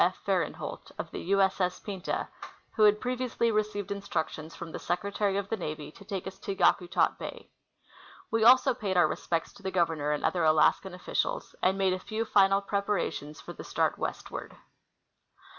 F. Farenholt, of the U. S. S. Pinta, who had previously received instructions from the Secretary of the Navy to take us to Yakutak bay. We also paid our respects to the Governor and other Alaskan officials, and made a few final preparations for the start westward.